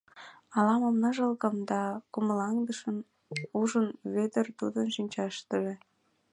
Ала-мом ныжылгым да кумылаҥдышым ужын Вӧдыр тудын шинчаштыже.